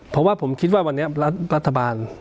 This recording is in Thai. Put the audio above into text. เพราะว่าผมคิดว่าวันนี้รัฐบาล